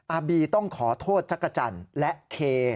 บีต้องขอโทษจักรจันทร์และเค